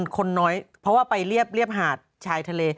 คนน้อยเพราะว่าไปเรียบหาดชายทะเล